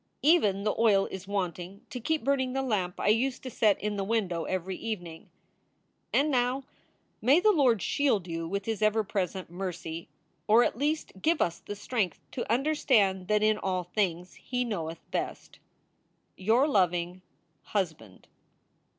Even the oil is wanting to keep burning the lamp I used to set in the window every evening. And now may the Lord shield you with his ever present mercy, or at least give us the strength to understand that in all things he knowcth best. Your loving HUSBAND.